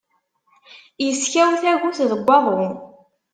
Iskaw tagut deg waḍu.